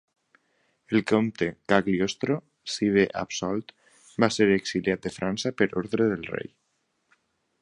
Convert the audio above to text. El Comte Cagliostro, si bé absolt, va ser exiliat de França per ordre del Rei.